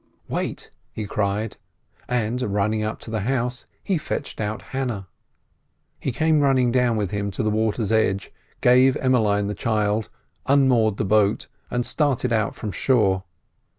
"Wait!" he cried; and, running up to the house, he fetched out Hannah. He came running down with him to the water's edge, gave Emmeline the child, unmoored the boat, and started out from shore.